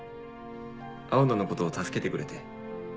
青野のこと助けてくれて。